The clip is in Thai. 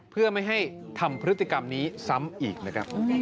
เพื่อไม่ให้ทำพฤติกรรมนี้ซ้ำอีกนะครับ